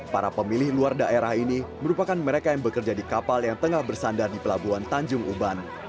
para pemilih luar daerah ini merupakan mereka yang bekerja di kapal yang tengah bersandar di pelabuhan tanjung uban